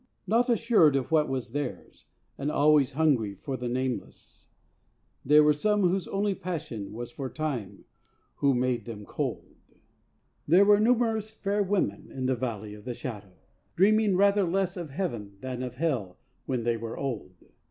Not assured of what was theirs, and always hungry for the nameless, There were some whose only passion was for Time who made them cold: There were numerous fair women in the Valley of the Shadow, Dreaming rather less of heaven than of hell when they were old.